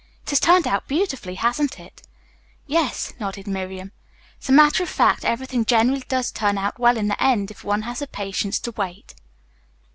It has turned out beautifully, hasn't it?" "Yes," nodded Miriam. "As a matter of fact everything generally does turn out well in the end if one has the patience to wait."